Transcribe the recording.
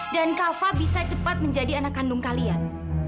dan kak fadil bisa cepat menjadi anak kandung kalian